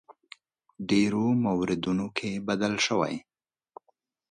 ډېرو موردونو کې بدل شوی.